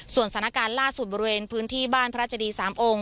ส่วนสถานการณ์ล่าสุดบริเวณพื้นที่บ้านพระเจดี๓องค์